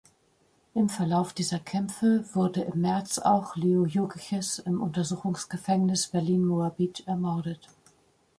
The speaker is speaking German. Im Verlauf dieser Kämpfe wurde im März auch Leo Jogiches im Untersuchungsgefängnis Berlin-Moabit ermordet.